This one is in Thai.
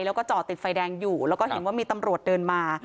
แล้วก็จอดติดไฟแดงอยู่แล้วก็เห็นว่ามีตำรวจเดินมา